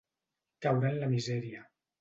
Caure en la misèria.